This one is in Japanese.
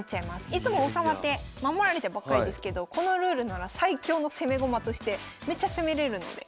いつも王様って守られてばっかりですけどこのルールなら最強の攻め駒としてめっちゃ攻めれるので。